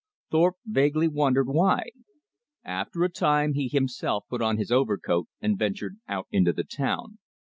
Thorpe vaguely wondered why. After a time he himself put on his overcoat and ventured out into the town.